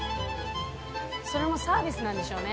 修譴サービスなんでしょうね